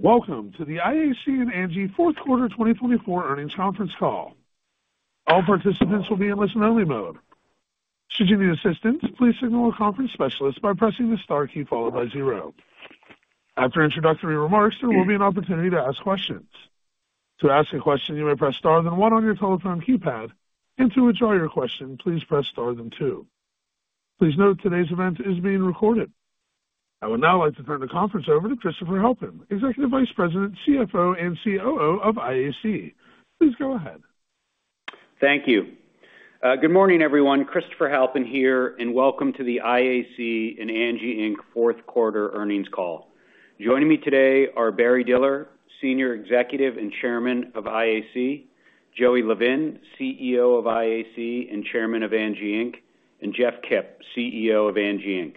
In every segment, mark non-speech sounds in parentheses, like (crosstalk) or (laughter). Welcome to the IAC and Angi Q4 2024 Earnings Conference Call. All participants will be in listen-only mode. Should you need assistance, please signal a conference specialist by pressing the star key followed by zero. After introductory remarks, there will be an opportunity to ask questions. To ask a question, you may press star then one on your telephone keypad, and to withdraw your question, please press star then two. Please note today's event is being recorded. I would now like to turn the conference over to Christopher Halpin, Executive Vice President, CFO, and COO of IAC. Please go ahead. Thank you. Good morning, everyone. Christopher Halpin here, and welcome to the IAC and Angi Inc. Fourth Quarter Earnings Call. Joining me today are Barry Diller, Senior Executive and Chairman of IAC; Joey Levin, CEO of IAC and Chairman of Angi Inc.; and Jeff Kip, CEO of Angi Inc.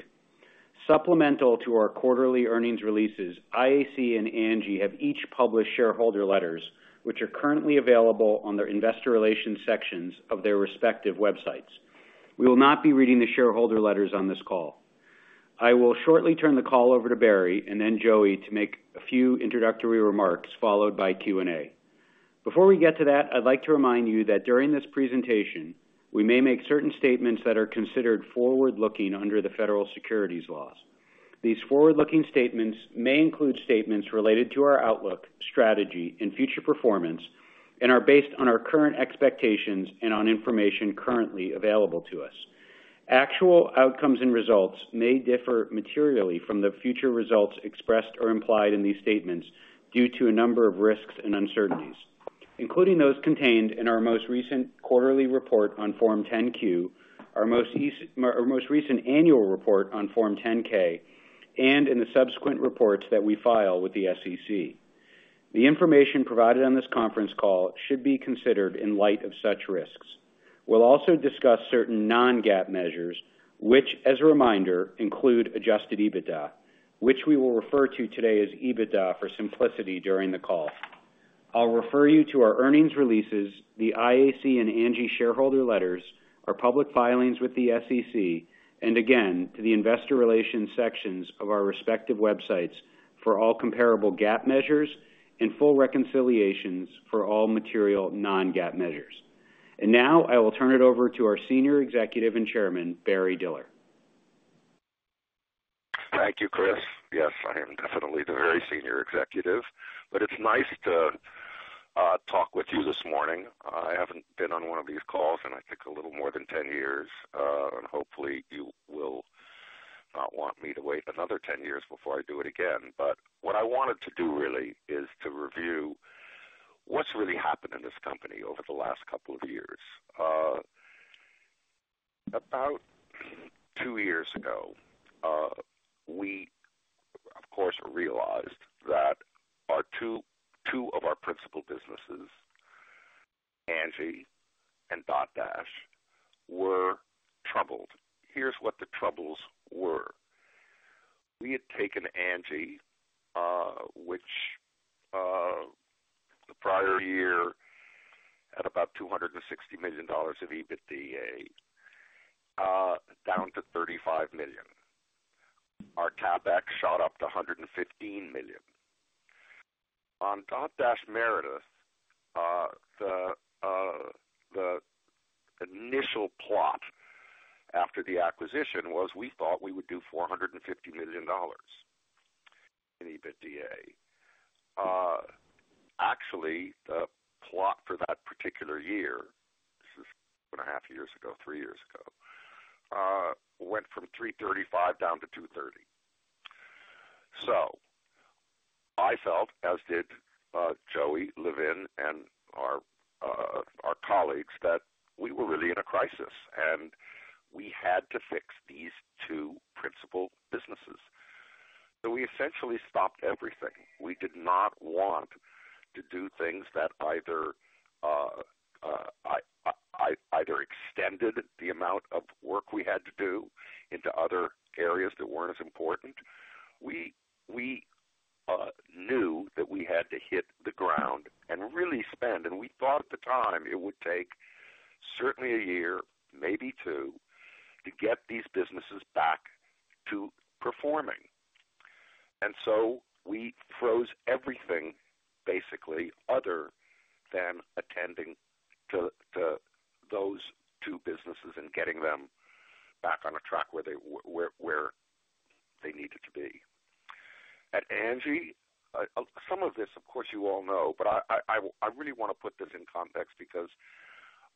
Supplemental to our quarterly earnings releases, IAC and Angi have each published shareholder letters, which are currently available on their investor relations sections of their respective websites. We will not be reading the shareholder letters on this call. I will shortly turn the call over to Barry and then Joey to make a few introductory remarks followed by Q&A. Before we get to that, I'd like to remind you that during this presentation, we may make certain statements that are considered forward-looking under the federal securities laws. These forward-looking statements may include statements related to our outlook, strategy, and future performance, and are based on our current expectations and on information currently available to us. Actual outcomes and results may differ materially from the future results expressed or implied in these statements due to a number of risks and uncertainties, including those contained in our most recent quarterly report on Form 10-Q, our most recent annual report on Form 10-K, and in the subsequent reports that we file with the SEC. The information provided on this conference call should be considered in light of such risks. We'll also discuss certain Non-GAAP measures, which, as a reminder, include Adjusted EBITDA, which we will refer to today as EBITDA for simplicity during the call. I'll refer you to our earnings releases, the IAC and Angi shareholder letters, our public filings with the SEC, and again, to the investor relations sections of our respective websites for all comparable GAAP measures and full reconciliations for all material non-GAAP measures. And now I will turn it over to our Senior Executive and Chairman, Barry Diller. Thank you, Chris. Yes, I am definitely the very senior executive, but it's nice to talk with you this morning. I haven't been on one of these calls in, I think, a little more than 10 years, and hopefully you will not want me to wait another 10 years before I do it again. But what I wanted to do really is to review what's really happened in this company over the last couple of years. About two years ago, we, of course, realized that two of our principal businesses, Angi and Dotdash, were troubled. Here's what the troubles were. We had taken Angi, which the prior year had about $260 million of EBITDA, down to $35 million. Our CapEx shot up to $115 million. On Dotdash Meredith, the initial plan after the acquisition was we thought we would do $450 million in EBITDA. Actually, the plot for that particular year, this is two and a half years ago, three years ago, went from $335 million down to $230 million. So I felt, as did Joey Levin and our colleagues, that we were really in a crisis, and we had to fix these two principal businesses. So we essentially stopped everything. We did not want to do things that either extended the amount of work we had to do into other areas that weren't as important. We knew that we had to hit the ground and really spend, and we thought at the time it would take certainly a year, maybe two, to get these businesses back to performing. And so we froze everything, basically, other than attending to those two businesses and getting them back on a track where they needed to be. At Angi, some of this, of course, you all know, but I really want to put this in context because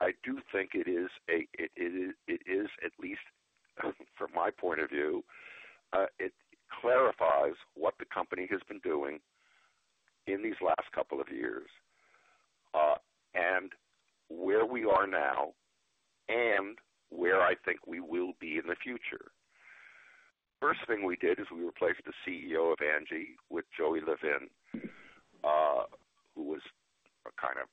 I do think it is, at least from my point of view, it clarifies what the company has been doing in these last couple of years and where we are now and where I think we will be in the future. First thing we did is we replaced the CEO of Angi with Joey Levin, who was kind of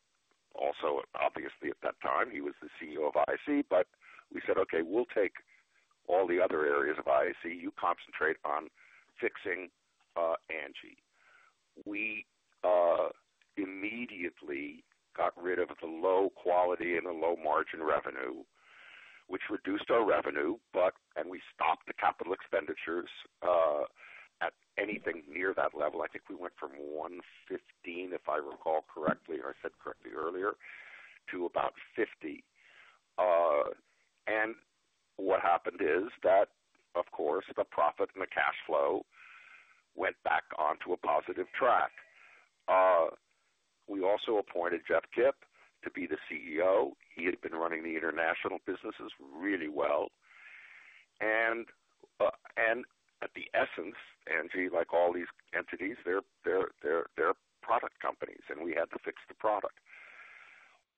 also obviously at that time, he was the CEO of IAC, but we said, "Okay, we'll take all the other areas of IAC. You concentrate on fixing Angi." We immediately got rid of the low quality and the low margin revenue, which reduced our revenue, and we stopped the capital expenditures at anything near that level. I think we went from 115, if I recall correctly, or I said correctly earlier, to about 50. And what happened is that, of course, the profit and the cash flow went back onto a positive track. We also appointed Jeff Kip to be the CEO. He had been running the international businesses really well. And at the essence, Angi, like all these entities, they're product companies, and we had to fix the product.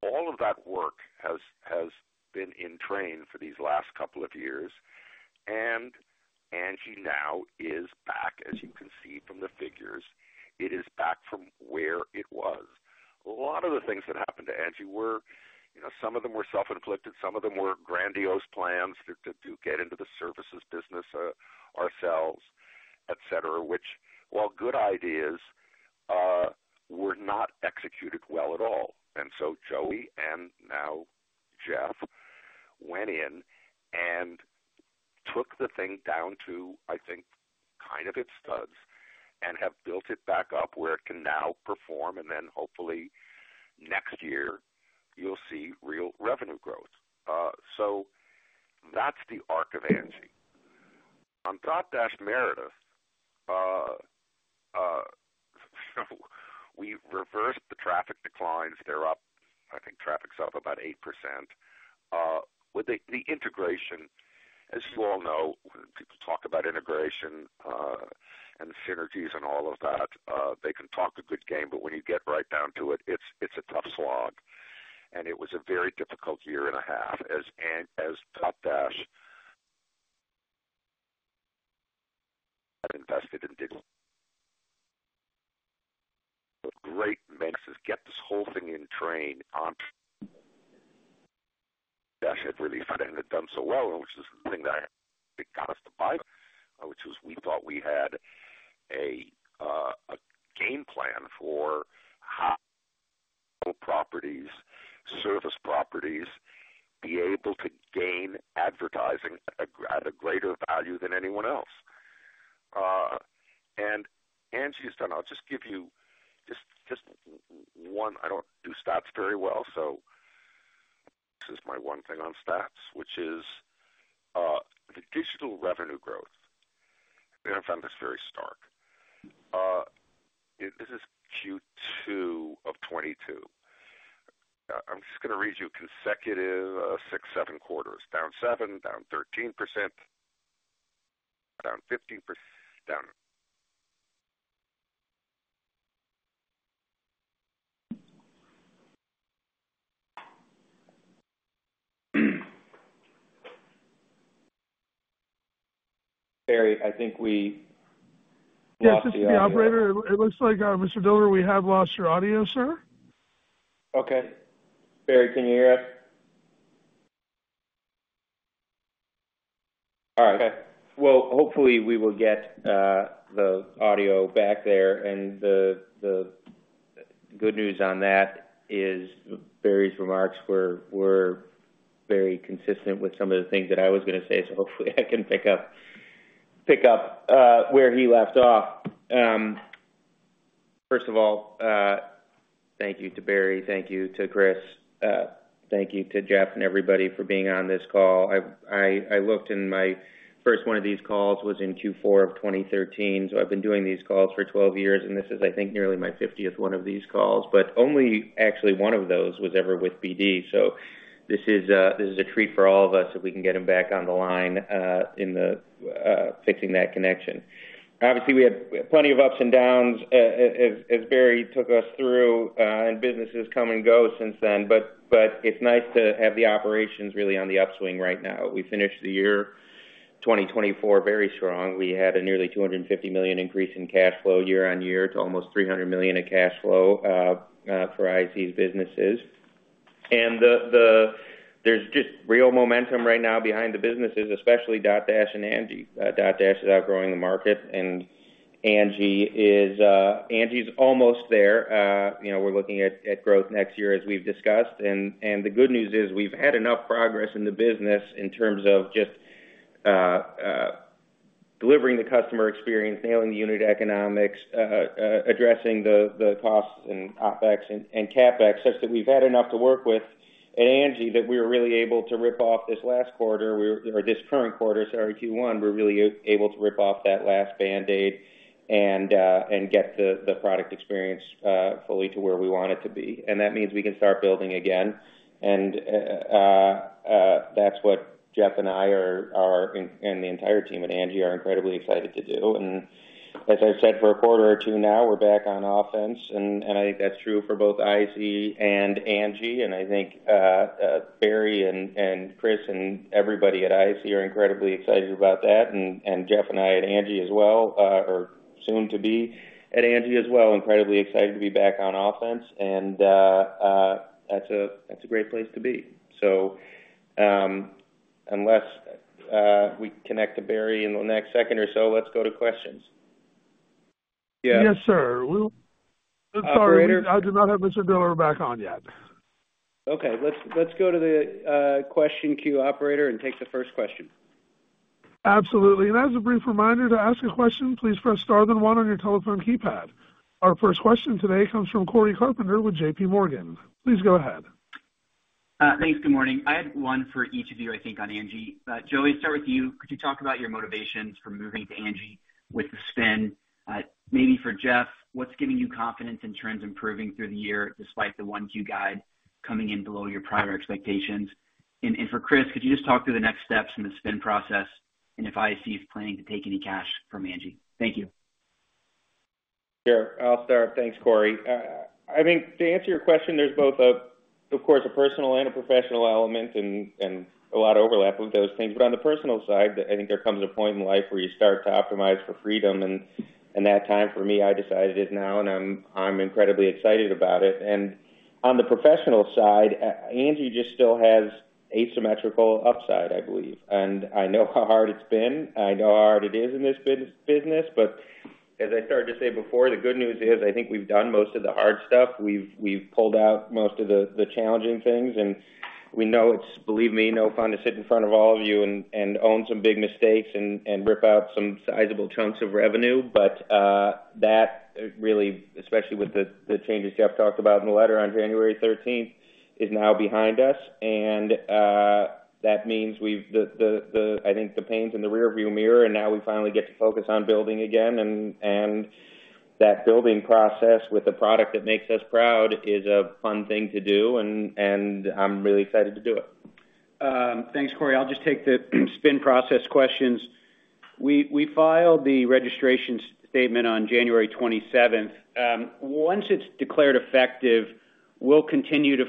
All of that work has been in train for these last couple of years, and Angi now is back, as you can see from the figures. It is back from where it was. A lot of the things that happened to Angi were, some of them were self-inflicted, some of them were grandiose plans to get into the services business ourselves, etc., which, while good ideas, were not executed well at all. Joey and now Jeff went in and took the thing down to, I think, kind of its studs and have built it back up where it can now perform, and then hopefully next year you'll see real revenue growth. So that's the arc of Angi. On Dotdash Meredith, we reversed the traffic declines. They're up, I think traffic's up about 8%. The integration, as you all know, when people talk about integration and synergies and all of that, they can talk a good game, but when you get right down to it, it's a tough slog. And it was a very difficult year and a half as Dotdash had invested in great content, get this whole thing in train. Does it had really done so well, which is the thing that got us to buy, which was we thought we had a game plan for how properties, service properties, be able to gain advertising at a greater value than anyone else. And Angi's done, I'll just give you just one, I don't do stats very well, so this is my one thing on stats, which is the digital revenue growth. I found this very stark. This is Q2 of 2022. I'm just going to read you consecutive six, seven quarters. Down 7%, down 13%, down 15%, down. Barry, I think we lost the audio. This is the operator. It looks like, Mr. Diller, we have lost your audio, sir. Okay. Barry, can you hear us? All right. Well, hopefully we will get the audio back there, and the good news on that is Barry's remarks were very consistent with some of the things that I was going to say, so hopefully I can pick up where he left off. First of all, thank you to Barry. Thank you to Chris. Thank you to Jeff and everybody for being on this call. I think my first one of these calls was in Q4 of 2013, so I've been doing these calls for 12 years, and this is, I think, nearly my 50th one of these calls, but only actually one of those was ever with BD. So this is a treat for all of us if we can get him back on the line and fixing that connection. Obviously, we had plenty of ups and downs as Barry took us through, and businesses come and go since then, but it's nice to have the operations really on the upswing right now. We finished the year 2024 very strong. We had a nearly $250 million increase in cash flow year on year to almost $300 million in cash flow for IAC's businesses, and there's just real momentum right now behind the businesses, especially Dotdash and Angi. Dotdash is outgrowing the market, and Angi is almost there. We're looking at growth next year, as we've discussed. And the good news is we've had enough progress in the business in terms of just delivering the customer experience, nailing the unit economics, addressing the costs and OpEx and CapEx, such that we've had enough to work with at Angi that we were really able to rip off this last quarter, or this current quarter, sorry, Q1. We were really able to rip off that last Band-Aid and get the product experience fully to where we want it to be. And that means we can start building again. And that's what Jeff and I and the entire team at Angi are incredibly excited to do. And as I've said, for a quarter or two now, we're back on offense, and I think that's true for both IAC and Angi. And I think Barry and Chris and everybody at IAC are incredibly excited about that. And Jeff and I at Angi as well, or soon to be at Angi as well, incredibly excited to be back on offense. And that's a great place to be. So unless we connect to Barry in the next second or so, let's go to questions. (crosstalk) Yes, sir. (crosstalk) Sorry, I do not have Mr. Diller back on yet. Okay. Let's go to the question queue operator and take the first question. Absolutely. And as a brief reminder to ask a question, please press star then one on your telephone keypad. Our first question today comes from Cory Carpenter with JPMorgan. Please go ahead. Thanks. Good morning. I had one for each of you, I think, on Angi. Joey, start with you. Could you talk about your motivations for moving to Angi with the spin? Maybe for Jeff, what's giving you confidence in trends improving through the year despite the Q1 guide coming in below your prior expectations? And for Chris, could you just talk through the next steps in the spin process and if IAC is planning to take any cash from Angi? Thank you. Sure. I'll start. Thanks, Cory. I think to answer your question, there's both, of course, a personal and a professional element and a lot of overlap of those things. But on the personal side, I think there comes a point in life where you start to optimize for freedom. And that time for me, I decided it now, and I'm incredibly excited about it. And on the professional side, Angi just still has asymmetrical upside, I believe. And I know how hard it's been. I know how hard it is in this business. But as I started to say before, the good news is I think we've done most of the hard stuff. We've pulled out most of the challenging things. And we know it's, believe me, no fun to sit in front of all of you and own some big mistakes and rip out some sizable chunks of revenue. But that really, especially with the changes Jeff talked about in the letter on January 13th, is now behind us. And that means I think the pains in the rearview mirror, and now we finally get to focus on building again. And that building process with the product that makes us proud is a fun thing to do, and I'm really excited to do it. Thanks, Cory. I'll just take the spin process questions. We filed the registration statement on January 27th. Once it's declared effective, we'll continue to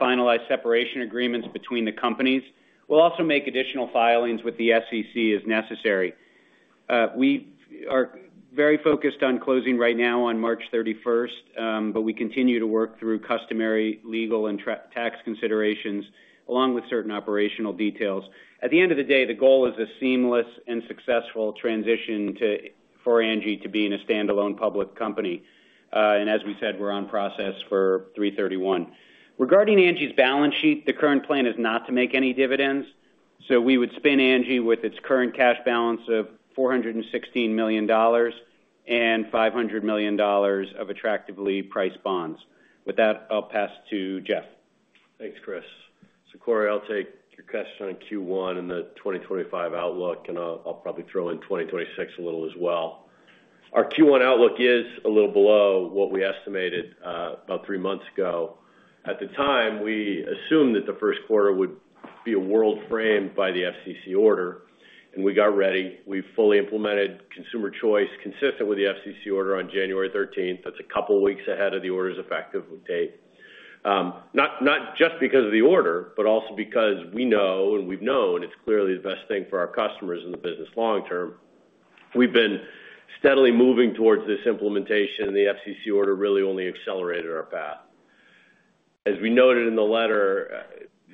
finalize separation agreements between the companies. We'll also make additional filings with the SEC as necessary. We are very focused on closing right now on March 31st, but we continue to work through customary legal and tax considerations along with certain operational details. At the end of the day, the goal is a seamless and successful transition for Angi to be in a standalone public company, and as we said, we're on track for 3/31. Regarding Angi's balance sheet, the current plan is not to make any dividends, so we would spin Angi with its current cash balance of $416 million and $500 million of attractively priced bonds. With that, I'll pass to Jeff. Thanks, Chris. So Cory, I'll take your question on Q1 and the 2025 outlook, and I'll probably throw in 2026 a little as well. Our Q1 outlook is a little below what we estimated about three months ago. At the time, we assumed that the first quarter would be a world framed by the FCC order, and we got ready. We fully implemented consumer choice consistent with the FCC order on January 13th. That's a couple of weeks ahead of the order's effective date. Not just because of the order, but also because we know, and we've known it's clearly the best thing for our customers in the business long term. We've been steadily moving towards this implementation, and the FCC order really only accelerated our path. As we noted in the letter,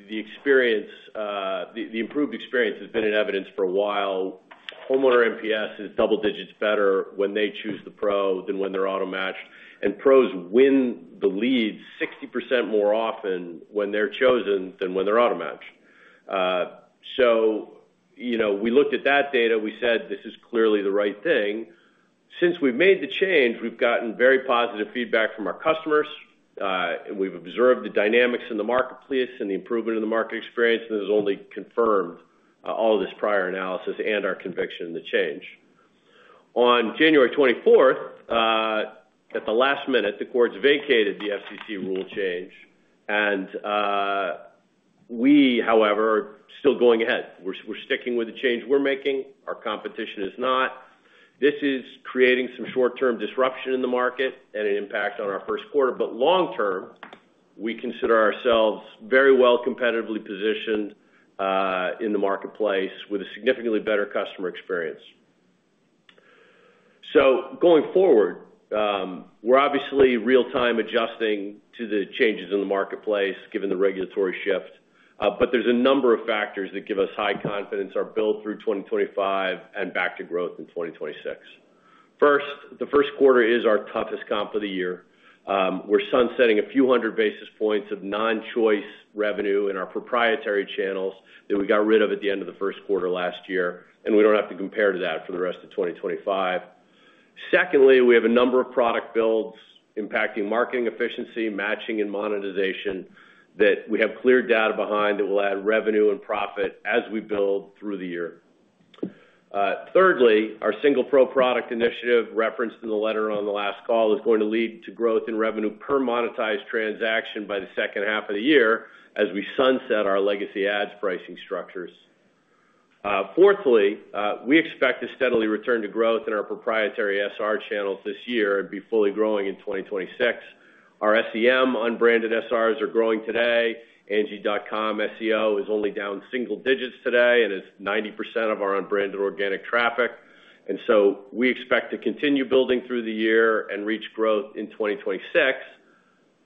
the improved experience has been in evidence for a while. Homeowner NPS is double digits better when they choose the pro than when they're automatched, and pros win the lead 60% more often when they're chosen than when they're automatched. So we looked at that data, so we said, "This is clearly the right thing." Since we've made the change, we've gotten very positive feedback from our customers. We've observed the dynamics in the marketplace and the improvement in the market experience, and this has only confirmed all of this prior analysis and our conviction in the change. On January 24th, at the last minute, the courts vacated the FCC rule change, and we, however, are still going ahead. We're sticking with the change we're making. Our competition is not. This is creating some short-term disruption in the market and an impact on our first quarter. But long term, we consider ourselves very well competitively positioned in the marketplace with a significantly better customer experience. So going forward, we're obviously real-time adjusting to the changes in the marketplace given the regulatory shift. But there's a number of factors that give us high confidence our build-through 2025 and back-to-growth in 2026. First, the first quarter is our toughest comp of the year. We're sunsetting a few hundred basis points of non-choice revenue in our proprietary channels that we got rid of at the end of the first quarter last year, and we don't have to compare to that for the rest of 2025. Secondly, we have a number of product builds impacting marketing efficiency, matching, and monetization that we have clear data behind that will add revenue and profit as we build through the year. Thirdly, our single pro product initiative referenced in the letter on the last call is going to lead to growth in revenue per monetized transaction by the second half of the year as we sunset our legacy ads pricing structures. Fourthly, we expect a steady return to growth in our proprietary SR channels this year and be fully growing in 2026. Our SEM unbranded SRs are growing today. Angi.com SEO is only down single digits today and is 90% of our unbranded organic traffic. And so we expect to continue building through the year and reach growth in 2026.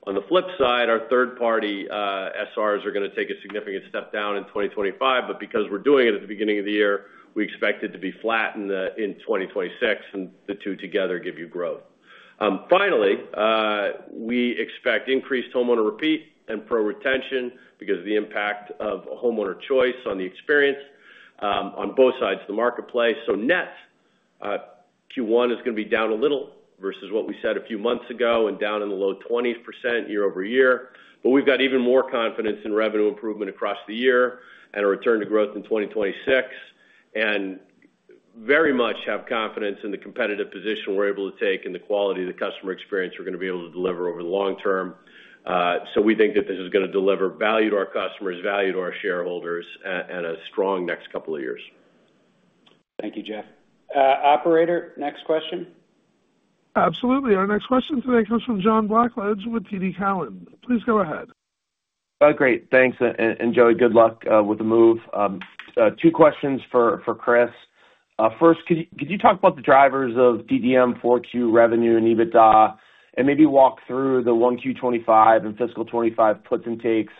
On the flip side, our third-party SRs are going to take a significant step down in 2025, but because we're doing it at the beginning of the year, we expect it to be flat in 2026, and the two together give you growth. Finally, we expect increased homeowner repeat and pro retention because of the impact of homeowner choice on the experience on both sides of the marketplace. So net Q1 is going to be down a little versus what we said a few months ago and down in the low 20% year over year. But we've got even more confidence in revenue improvement across the year and a return to growth in 2026 and very much have confidence in the competitive position we're able to take and the quality of the customer experience we're going to be able to deliver over the long term. So we think that this is going to deliver value to our customers, value to our shareholders, and a strong next couple of years. Thank you, Jeff. Operator, next question. Absolutely. Our next question today comes from John Blackledge with TD Cowen. Please go ahead. Great. Thanks, and Joey, good luck with the move. Two questions for Chris. First, could you talk about the drivers of DDM 4Q revenue and EBITDA and maybe walk through the 1Q25 and fiscal 25 puts and takes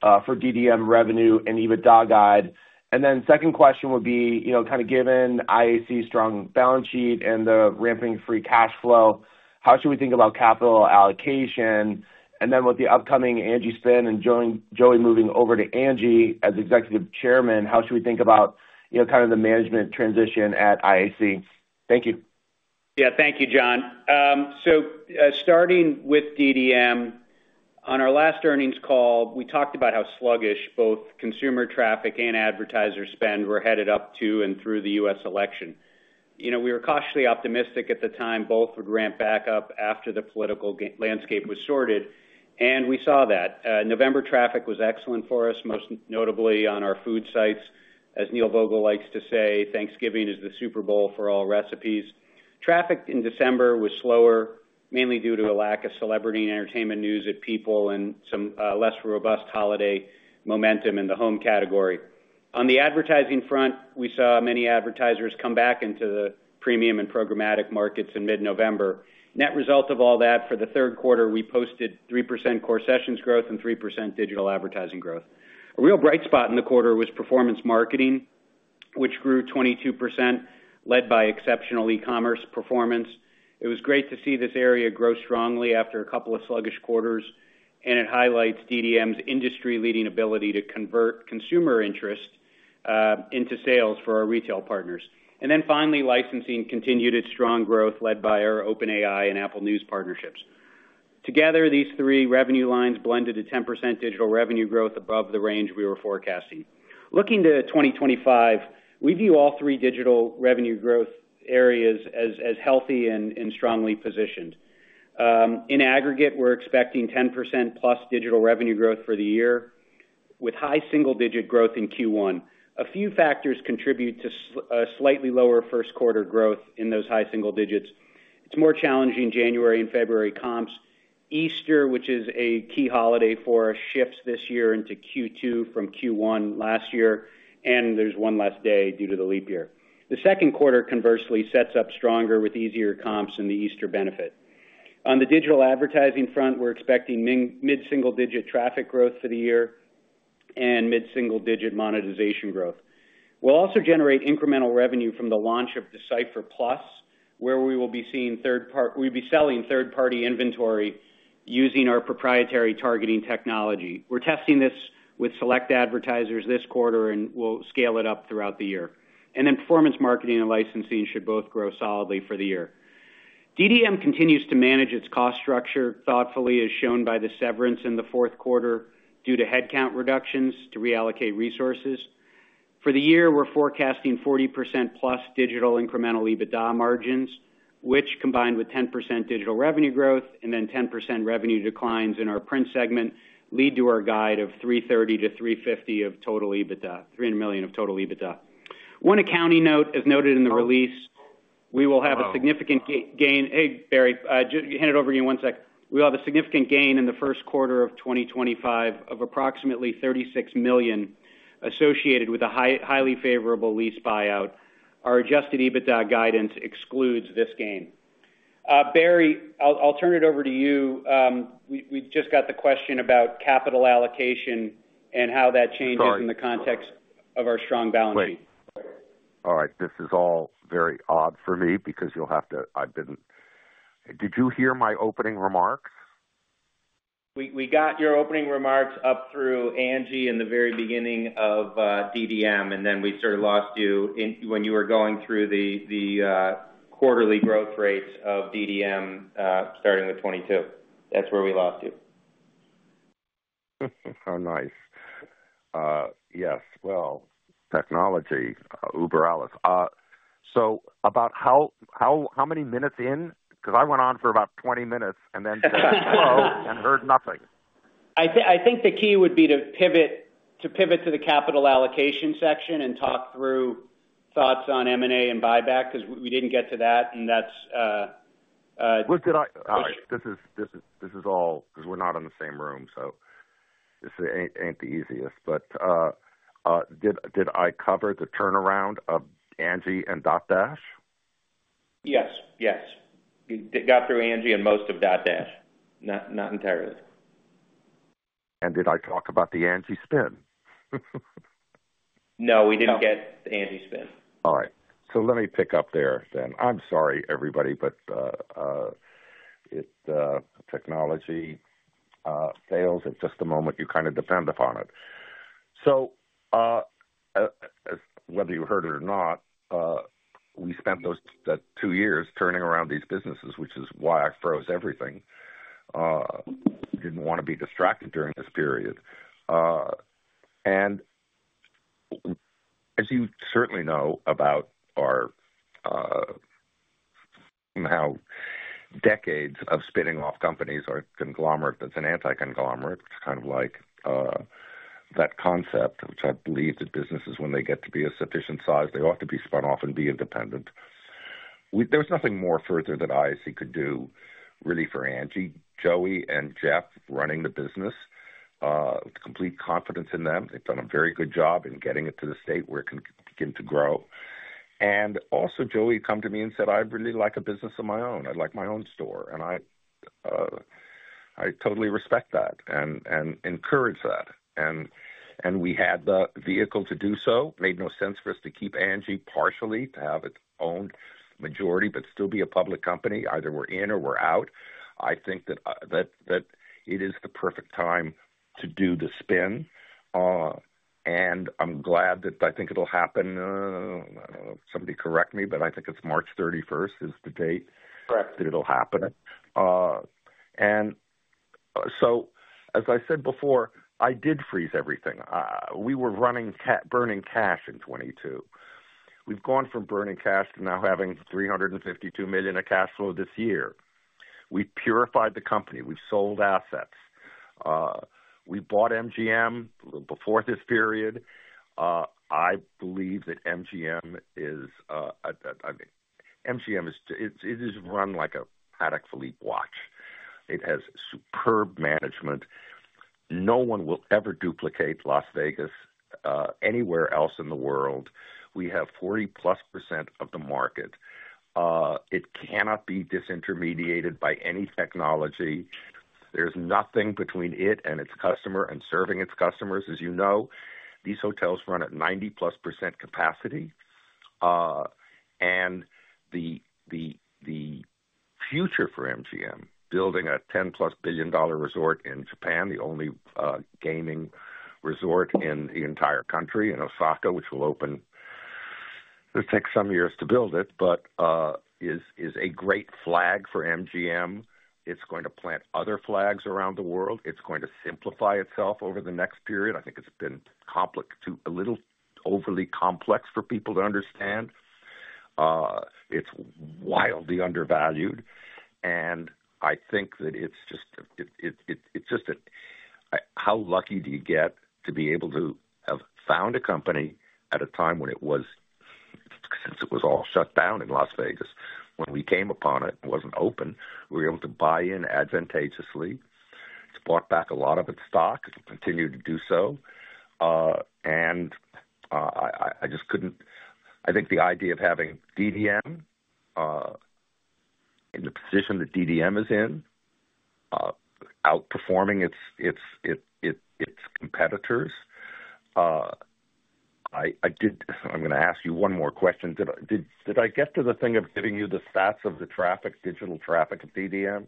for DDM revenue and EBITDA guide? And then second question would be, kind of given IAC's strong balance sheet and the ramping free cash flow, how should we think about capital allocation? And then with the upcoming Angi spin and Joey moving over to Angi as executive chairman, how should we think about kind of the management transition at IAC? Thank you. Yeah. Thank you, John. So starting with DDM, on our last earnings call, we talked about how sluggish both consumer traffic and advertiser spend were headed up to and through the U.S. election. We were cautiously optimistic at the time both would ramp back up after the political landscape was sorted, and we saw that. November traffic was excellent for us, most notably on our food sites. As Neil Vogel likes to say, "Thanksgiving is the Super Bowl for Allrecipes." Traffic in December was slower, mainly due to a lack of celebrity and entertainment news at People and some less robust holiday momentum in the home category. On the advertising front, we saw many advertisers come back into the premium and programmatic markets in mid-November. Net result of all that, for the third quarter, we posted 3% core sessions growth and 3% digital advertising growth. A real bright spot in the quarter was performance marketing, which grew 22%, led by exceptional e-commerce performance. It was great to see this area grow strongly after a couple of sluggish quarters, and it highlights DDM's industry-leading ability to convert consumer interest into sales for our retail partners. And then finally, licensing continued its strong growth, led by our OpenAI and Apple News partnerships. Together, these three revenue lines blended a 10% digital revenue growth above the range we were forecasting. Looking to 2025, we view all three digital revenue growth areas as healthy and strongly positioned. In aggregate, we're expecting 10% plus digital revenue growth for the year, with high single-digit growth in Q1. A few factors contribute to slightly lower first-quarter growth in those high single digits. It's more challenging January and February comps. Easter, which is a key holiday for us, shifts this year into Q2 from Q1 last year, and there's one less day due to the leap year. The second quarter, conversely, sets up stronger with easier comps and the Easter benefit. On the digital advertising front, we're expecting mid-single-digit traffic growth for the year and mid-single-digit monetization growth. We'll also generate incremental revenue from the launch of D/Cipher For the year, we're forecasting 40% plus digital incremental EBITDA margins, which, combined with 10% digital revenue growth and then 10% revenue declines in our print segment, lead to our guide of $330 million-$350 million of total EBITDA. One accounting note, as noted in the release, we will have a significant gain. Hey, Barry, just hand it over to you in one second. We will have a significant gain in the first quarter of 2025 of approximately $36 million associated with a highly favorable lease buyout. Our Adjusted EBITDA guidance excludes this gain. Barry, I'll turn it over to you. We just got the question about capital allocation and how that changes in the context of our strong balance sheet. Wait. All right. This is all very odd for me because you'll have to—I didn't—did you hear my opening remarks? We got your opening remarks up through Angi in the very beginning of DDM, and then we sort of lost you when you were going through the quarterly growth rates of DDM starting with 2022. That's where we lost you. How nice. Yes. Well. Technology, Über alles. So, about how many minutes in? Because I went on for about 20 minutes and then just closed and heard nothing. I think the key would be to pivot to the capital allocation section and talk through thoughts on M&A and buyback because we didn't get to that, and that's. This is all because we're not in the same room, so it ain't the easiest. But did I cover the turnaround of Angi and Dotdash? Yes. Yes. We got through Angi and most of Dotdash, not entirely. Did I talk about the Angi spin? No, we didn't get the Angi spin. All right, so let me pick up there then. I'm sorry, everybody, but technology sales at just a moment. You kind of depend upon it, so whether you heard it or not, we spent those two years turning around these businesses, which is why I froze everything. I didn't want to be distracted during this period, and as you certainly know about our now decades of spinning off companies or conglomerates and anti-conglomerates, kind of like that concept, which I believe that businesses, when they get to be a sufficient size, they ought to be spun off and be independent. There was nothing more further that IAC could do, really, for AG, Joey, and Jeff running the business, complete confidence in them. They've done a very good job in getting it to the state where it can begin to grow. And also, Joey came to me and said, "I'd really like a business of my own. I'd like my own store." And I totally respect that and encourage that. And we had the vehicle to do so. It made no sense for us to keep Angi partially to have its own majority, but still be a public company. Either we're in or we're out. I think that it is the perfect time to do the spin. And I'm glad that I think it'll happen. Somebody correct me, but I think it's March 31st is the date that it'll happen. And so, as I said before, I did freeze everything. We were burning cash in 2022. We've gone from burning cash to now having $352 million of cash flow this year. We've purified the company. We've sold assets. We bought MGM before this period. I believe that MGM is - I mean, MGM is run like a Patek Philippe watch. It has superb management. No one will ever duplicate Las Vegas anywhere else in the world. We have 40-plus% of the market. It cannot be disintermediated by any technology. There's nothing between it and its customer and serving its customers. As you know, these hotels run at 90-plus% capacity. And the future for MGM, building a $10-plus billion-dollar resort in Japan, the only gaming resort in the entire country in Osaka, which will open - it'll take some years to build it, but is a great flag for MGM. It's going to plant other flags around the world. It's going to simplify itself over the next period. I think it's been a little overly complex for people to understand. It's wildly undervalued. And I think that it's just, how lucky do you get to be able to have found a company at a time when it was, since it was all shut down in Las Vegas. When we came upon it, it wasn't open. We were able to buy in advantageously. It's bought back a lot of its stock. It will continue to do so. And I just couldn't, I think the idea of having DDM in the position that DDM is in, outperforming its competitors. I'm going to ask you one more question. Did I get to the thing of giving you the stats of the traffic, digital traffic of DDM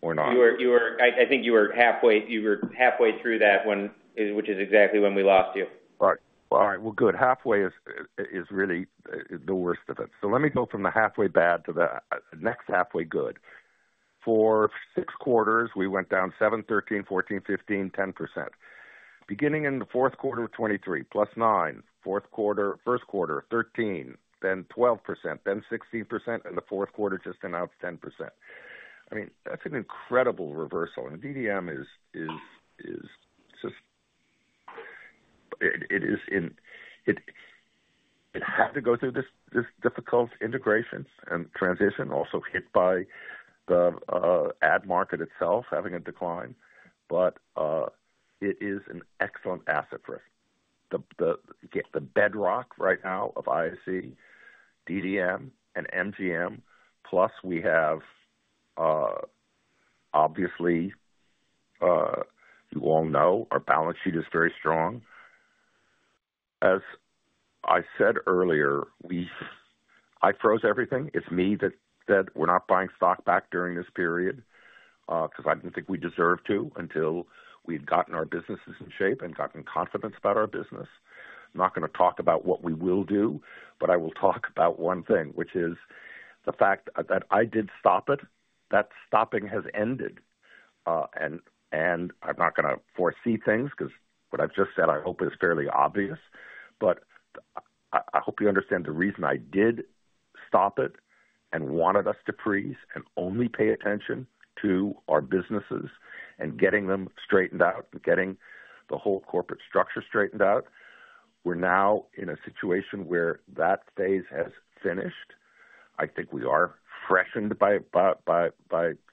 or not? I think you were halfway through that, which is exactly when we lost you. Right. All right. Well, good. Halfway is really the worst of it. So let me go from the halfway bad to the next halfway good. For six quarters, we went down 7, 13, 14, 15, 10%. Beginning in the fourth quarter of 2023, plus 9%. Fourth quarter, first quarter, 13%, then 12%, then 16%, and the fourth quarter just went out 10%. I mean, that's an incredible reversal. And DDM is just, it had to go through this difficult integration and transition, also hit by the ad market itself, having a decline. But it is an excellent asset for us. The bedrock right now of IAC, DDM, and MGM, plus we have, obviously, you all know, our balance sheet is very strong. As I said earlier, I froze everything. It's me that said, "We're not buying stock back during this period," because I didn't think we deserved to until we had gotten our businesses in shape and gotten confidence about our business. I'm not going to talk about what we will do, but I will talk about one thing, which is the fact that I did stop it. That stopping has ended, and I'm not going to foresee things because what I've just said, I hope, is fairly obvious. But I hope you understand the reason I did stop it and wanted us to freeze and only pay attention to our businesses and getting them straightened out and getting the whole corporate structure straightened out. We're now in a situation where that phase has finished. I think we are freshened by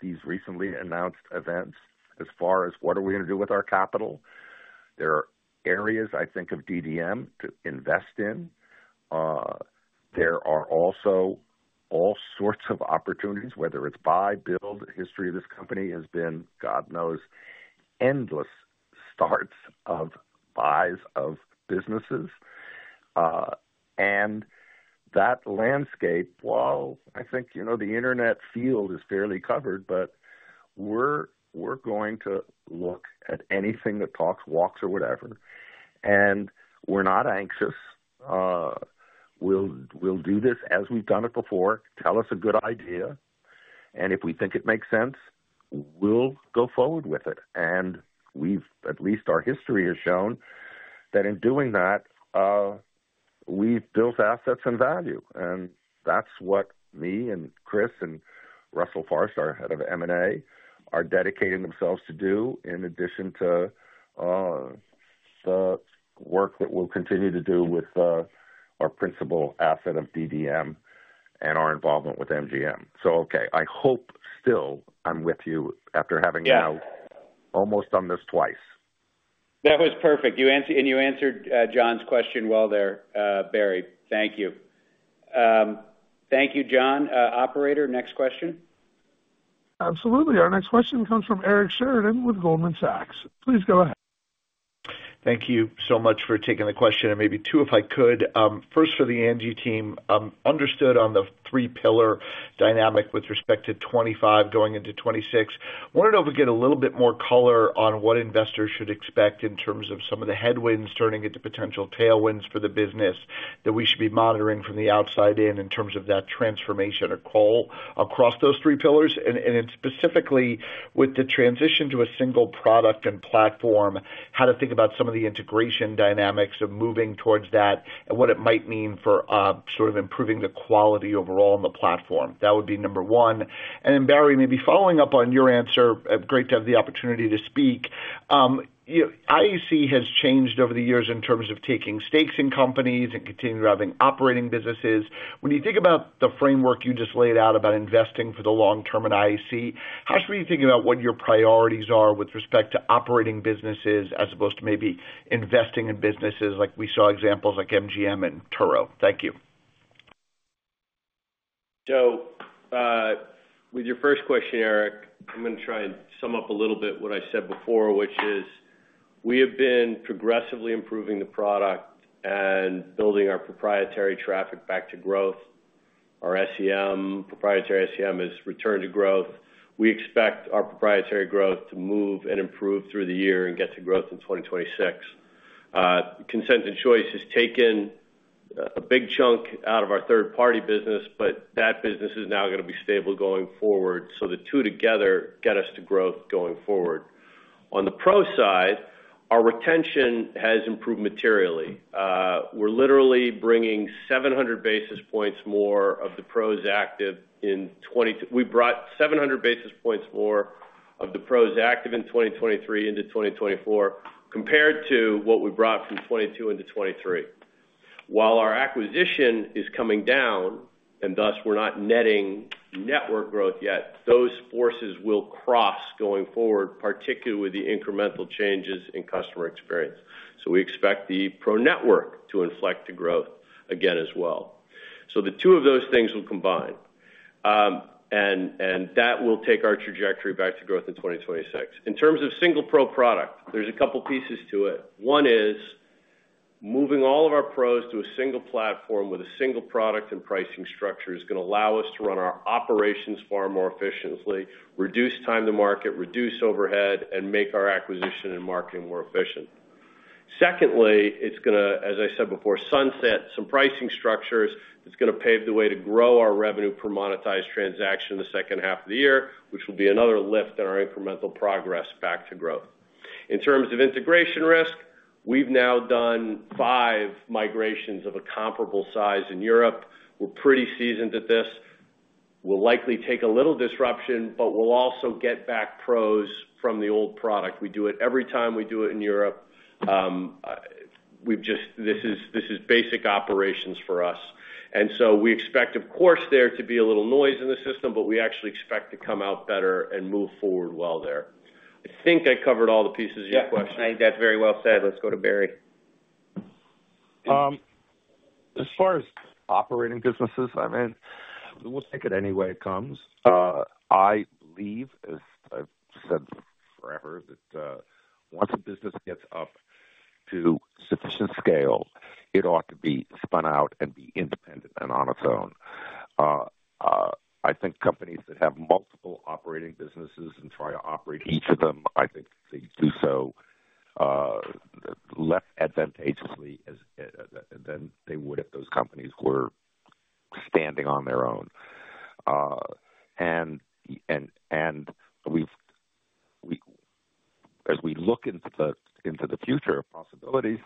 these recently announced events as far as what are we going to do with our capital. There are areas, I think, of DDM to invest in. There are also all sorts of opportunities, whether it's buy, build. The history of this company has been, God knows, endless starts of buys of businesses. And that landscape, well, I think the internet field is fairly covered, but we're going to look at anything that talks, walks, or whatever. And we're not anxious. We'll do this as we've done it before. Tell us a good idea. And if we think it makes sense, we'll go forward with it. And at least our history has shown that in doing that, we've built assets and value. And that's what me and Chris and Russell Farscht, head of M&A, are dedicating themselves to do in addition to the work that we'll continue to do with our principal asset of DDM and our involvement with MGM. So, okay, I hope you're still with me after having now almost done this twice. That was perfect. And you answered John's question well there, Barry. Thank you. Thank you, John. Operator, next question. Absolutely. Our next question comes from Eric Sheridan with Goldman Sachs. Please go ahead. Thank you so much for taking the question. And maybe two, if I could. First, for the Angi team, understood on the three-pillar dynamic with respect to 2025 going into 2026. Wanted to get a little bit more color on what investors should expect in terms of some of the headwinds turning into potential tailwinds for the business that we should be monitoring from the outside in terms of that transformation or call across those three pillars. And specifically, with the transition to a single product and platform, how to think about some of the integration dynamics of moving towards that and what it might mean for sort of improving the quality overall in the platform. That would be number one. And then, Barry, maybe following up on your answer, great to have the opportunity to speak. IAC has changed over the years in terms of taking stakes in companies and continuing to have operating businesses. When you think about the framework you just laid out about investing for the long term in IAC, how should we think about what your priorities are with respect to operating businesses as opposed to maybe investing in businesses like we saw examples like MGM and Turo? Thank you. With your first question, Eric, I'm going to try and sum up a little bit what I said before, which is we have been progressively improving the product and building our proprietary traffic back to growth. Our proprietary SEM has returned to growth. We expect our proprietary growth to move and improve through the year and get to growth in 2026. Consent and choice has taken a big chunk out of our third-party business, but that business is now going to be stable going forward. So the two together get us to growth going forward. On the pro side, our retention has improved materially. We're literally bringing 700 basis points more of the pros active in 2022. We brought 700 basis points more of the pros active in 2023 into 2024 compared to what we brought from 2022 into 2023. While our acquisition is coming down, and thus we're not netting network growth yet, those forces will cross going forward, particularly with the incremental changes in customer experience. So we expect the pro network to inflect to growth again as well. So the two of those things will combine. And that will take our trajectory back to growth in 2026. In terms of single pro product, there's a couple of pieces to it. One is moving all of our pros to a single platform with a single product and pricing structure is going to allow us to run our operations far more efficiently, reduce time to market, reduce overhead, and make our acquisition and marketing more efficient. Secondly, it's going to, as I said before, sunset some pricing structures. It's going to pave the way to grow our revenue per monetized transaction in the second half of the year, which will be another lift in our incremental progress back to growth. In terms of integration risk, we've now done five migrations of a comparable size in Europe. We're pretty seasoned at this. We'll likely take a little disruption, but we'll also get benefits from the old product. We do it every time we do it in Europe. This is basic operations for us. And so we expect, of course, there to be a little noise in the system, but we actually expect to come out better and move forward well there. I think I covered all the pieces of your question. Yeah. I think that's very well said. Let's go to Barry. As far as operating businesses, I mean, we'll take it any way it comes. I believe, as I've said forever, that once a business gets up to sufficient scale, it ought to be spun out and be independent and on its own. I think companies that have multiple operating businesses and try to operate each of them, I think they do so less advantageously than they would if those companies were standing on their own. And as we look into the future of possibilities,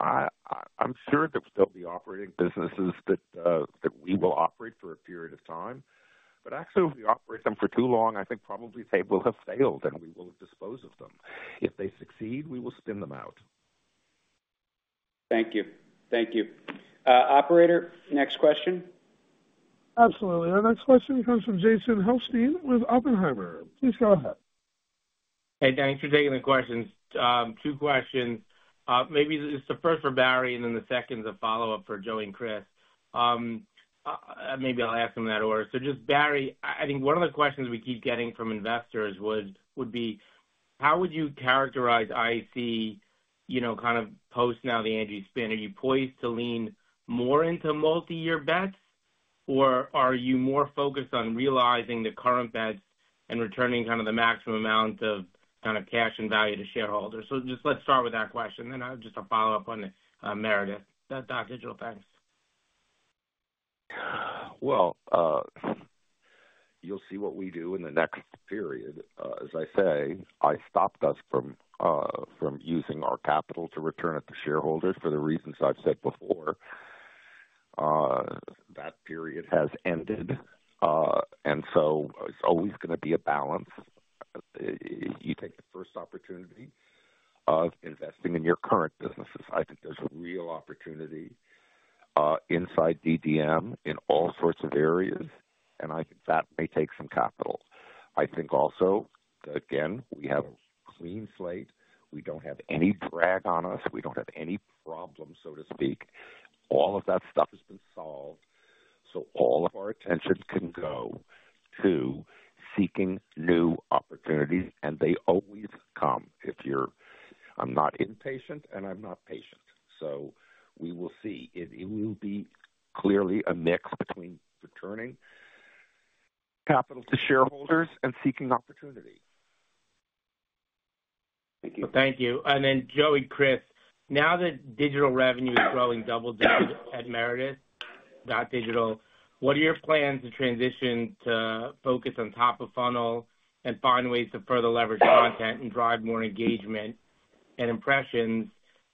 I'm sure there will still be operating businesses that we will operate for a period of time. But actually, if we operate them for too long, I think probably they will have failed and we will dispose of them. If they succeed, we will spin them out. Thank you. Thank you. Operator, next question. Absolutely. Our next question comes from Jason Helfstein with Oppenheimer. Please go ahead. Thanks for taking the questions. Two questions. Maybe it's the first for Barry and then the second is a follow-up for Joey and Chris. Maybe I'll ask them in that order. So just Barry, I think one of the questions we keep getting from investors would be, how would you characterize IAC kind of post now the Angi spin? Are you poised to lean more into multi-year bets, or are you more focused on realizing the current bets and returning kind of the maximum amount of kind of cash and value to shareholders? So just let's start with that question. Then just a follow-up on Meredith. That's all. Dotdash, thanks. You'll see what we do in the next period. As I say, I stopped us from using our capital to return it to shareholders for the reasons I've said before. That period has ended, and so it's always going to be a balance. You take the first opportunity of investing in your current businesses. I think there's a real opportunity inside DDM in all sorts of areas, and I think that may take some capital. I think also, again, we have a clean slate. We don't have any drag on us. We don't have any problems, so to speak. All of that stuff has been solved, so all of our attention can go to seeking new opportunities. And they always come if you're. I'm not impatient and I'm not patient. So we will see. It will be clearly a mix between returning capital to shareholders and seeking opportunity. Thank you. And then Joey and Chris, now that digital revenue is growing double-digit at Meredith, that digital, what are your plans to transition to focus on top of funnel and find ways to further leverage content and drive more engagement and impressions?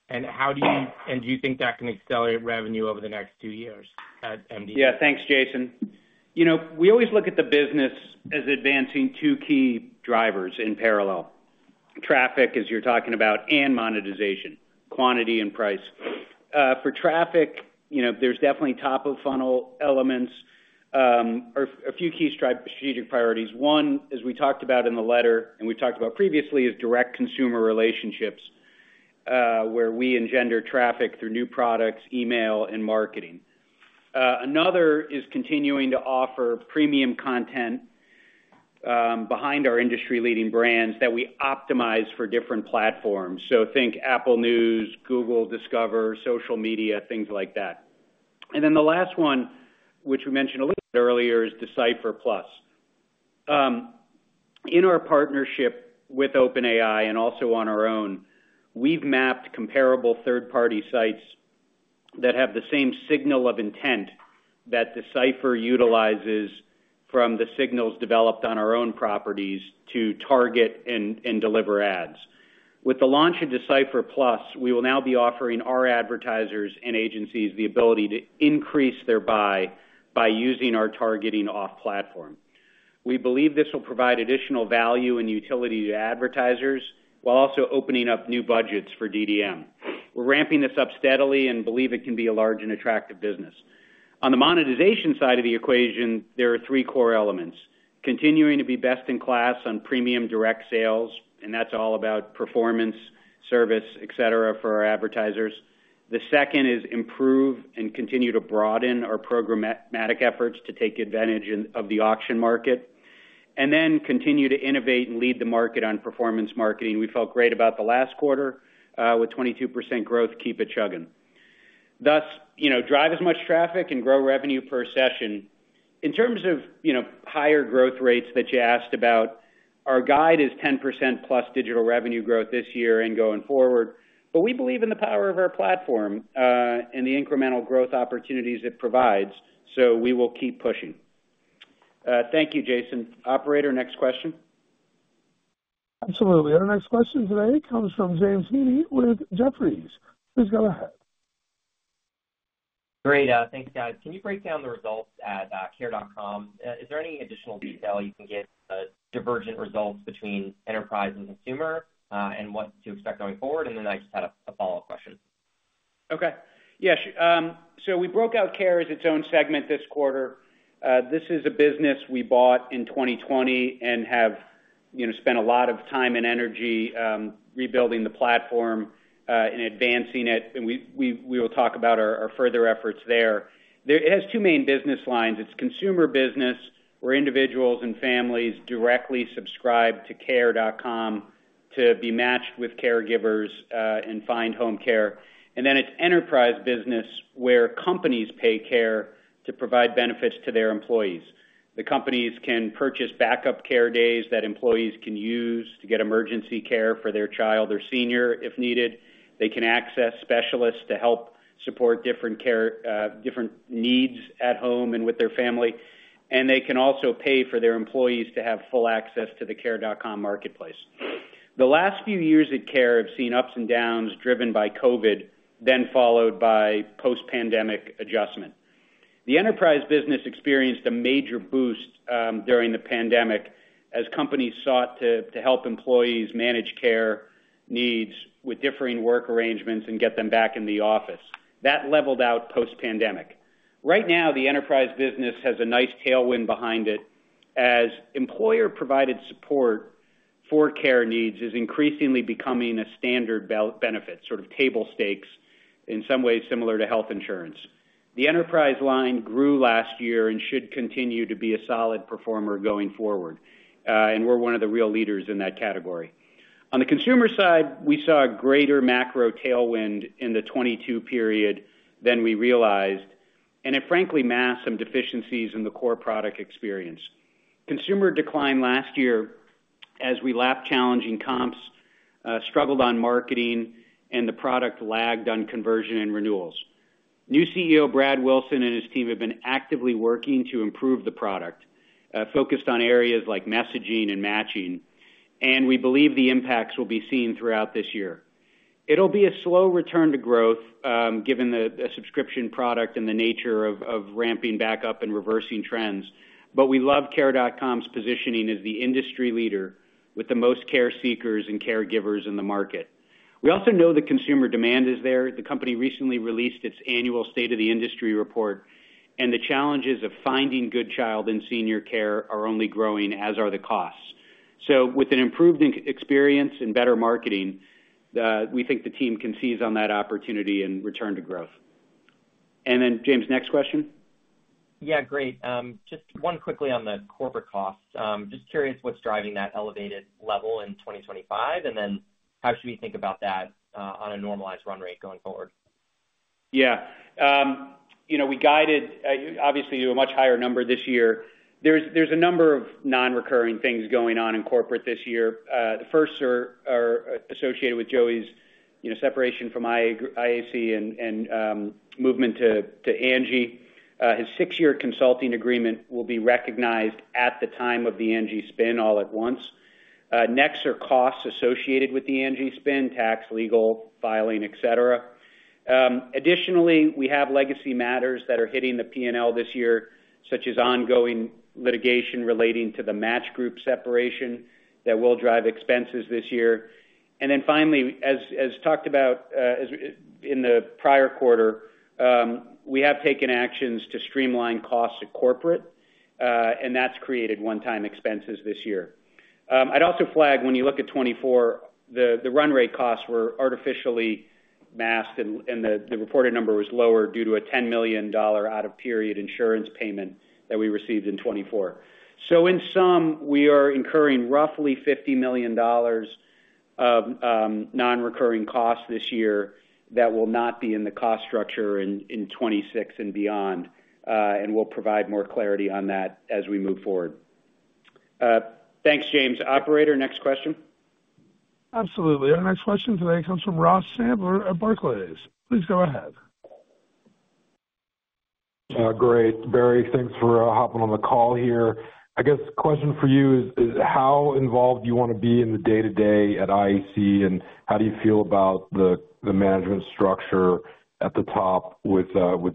And how do you—and do you think that can accelerate revenue over the next two years at DDM? Yeah. Thanks, Jason. We always look at the business as advancing two key drivers in parallel: traffic, as you're talking about, and monetization, quantity and price. For traffic, there's definitely top of funnel elements or a few key strategic priorities. One, as we talked about in the letter and we've talked about previously, is direct consumer relationships where we engender traffic through new products, email, and marketing. Another is continuing to offer premium content behind our industry-leading brands that we optimize for different platforms, so think Apple News, Google Discover, social media, things like that, and then the last one, which we mentioned a little bit earlier, is D/Cipher Plus. In our partnership with OpenAI and also on our own, we've mapped comparable third-party sites that have the same signal of intent that D/Cipher utilizes from the signals developed on our own properties to target and deliver ads. With the launch of D/Cipher Plus, we will now be offering our advertisers and agencies the ability to increase their buy by using our targeting off-platform. We believe this will provide additional value and utility to advertisers while also opening up new budgets for DDM. We're ramping this up steadily and believe it can be a large and attractive business. On the monetization side of the equation, there are three core elements: continuing to be best in class on premium direct sales, and that's all about performance, service, etc., for our advertisers. The second is improve and continue to broaden our programmatic efforts to take advantage of the auction market, and then continue to innovate and lead the market on performance marketing. We felt great about the last quarter with 22% growth, keep it chugging. Thus, drive as much traffic and grow revenue per session. In terms of higher growth rates that you asked about, our guide is 10% plus digital revenue growth this year and going forward. But we believe in the power of our platform and the incremental growth opportunities it provides. So we will keep pushing. Thank you, Jason. Operator, next question. Absolutely. Our next question today comes from James Heaney with Jefferies. Please go ahead. Great. Thanks, guys. Can you break down the results at Care.com? Is there any additional detail you can get divergent results between enterprise and consumer and what to expect going forward? And then I just had a follow-up question. Okay. Yeah. So we broke out Care as its own segment this quarter. This is a business we bought in 2020 and have spent a lot of time and energy rebuilding the platform and advancing it, and we will talk about our further efforts there. It has two main business lines. It's consumer business where individuals and families directly subscribe to Care.com to be matched with caregivers and find home care, and then it's enterprise business where companies pay Care to provide benefits to their employees. The companies can purchase backup care days that employees can use to get emergency care for their child or senior if needed. They can access specialists to help support different needs at home and with their family, and they can also pay for their employees to have full access to the Care.com marketplace. The last few years at Care have seen ups and downs driven by COVID, then followed by post-pandemic adjustment. The enterprise business experienced a major boost during the pandemic as companies sought to help employees manage care needs with differing work arrangements and get them back in the office. That leveled out post-pandemic. Right now, the enterprise business has a nice tailwind behind it as employer-provided support for care needs is increasingly becoming a standard benefit, sort of table stakes, in some ways similar to health insurance. The enterprise line grew last year and should continue to be a solid performer going forward, and we're one of the real leaders in that category. On the consumer side, we saw a greater macro tailwind in the 2022 period than we realized, and it frankly masked some deficiencies in the core product experience. Consumer decline last year as we lapped challenging comps, struggled on marketing, and the product lagged on conversion and renewals. New CEO Brad Wilson and his team have been actively working to improve the product, focused on areas like messaging and matching, and we believe the impacts will be seen throughout this year. It'll be a slow return to growth given the subscription product and the nature of ramping back up and reversing trends, but we love Care.com's positioning as the industry leader with the most care seekers and caregivers in the market. We also know that consumer demand is there. The company recently released its annual state of the industry report, and the challenges of finding good child and senior care are only growing, as are the costs, so with an improved experience and better marketing, we think the team can seize on that opportunity and return to growth. James, next question. Yeah. Great. Just one quickly on the corporate costs. Just curious what's driving that elevated level in 2025, and then how should we think about that on a normalized run rate going forward? Yeah. We guided, obviously, to a much higher number this year. There's a number of non-recurring things going on in corporate this year. The first are associated with Joey's separation from IAC and movement to Angi. His six-year consulting agreement will be recognized at the time of the Angi spin all at once. Next are costs associated with the Angi spin: tax, legal, filing, etc. Additionally, we have legacy matters that are hitting the P&L this year, such as ongoing litigation relating to the Match Group separation that will drive expenses this year. And then finally, as talked about in the prior quarter, we have taken actions to streamline costs at corporate, and that's created one-time expenses this year. I'd also flag when you look at 2024, the run rate costs were artificially masked, and the reported number was lower due to a $10 million out-of-period insurance payment that we received in 2024. So in sum, we are incurring roughly $50 million of non-recurring costs this year that will not be in the cost structure in 2026 and beyond, and we'll provide more clarity on that as we move forward. Thanks, James. Operator, next question. Absolutely. Our next question today comes from Ross Sandler at Barclays. Please go ahead. Great. Barry, thanks for hopping on the call here. I guess the question for you is, how involved do you want to be in the day-to-day at IAC, and how do you feel about the management structure at the top with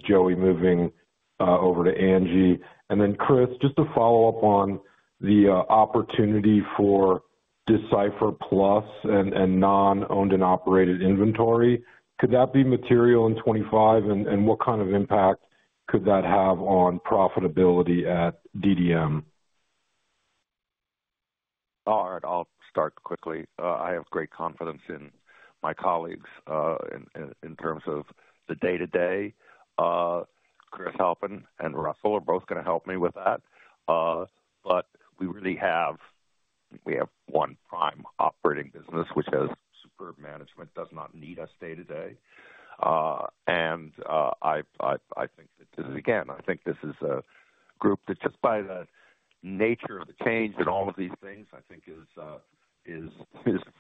Joey moving over to Angi? And then Chris, just to follow up on the opportunity for D/Cipher Plus and non-owned and operated inventory, could that be material in 2025, and what kind of impact could that have on profitability at DDM? All right. I'll start quickly. I have great confidence in my colleagues in terms of the day-to-day. Chris Halpin and Russell are both going to help me with that, but we really have one prime operating business, which has superb management, does not need us day-to-day, and I think that, again, I think this is a group that just by the nature of the change and all of these things, I think is